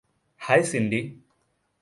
High, সিন্ডি!